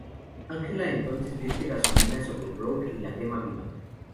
Angela entonces vierte gasolina sobre Brooke y la quema viva.